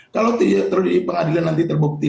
kalau di pengadilan nanti terbukti